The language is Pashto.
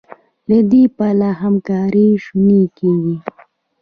له دې پله همکاري شونې کېږي.